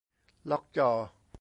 ล็อกจอ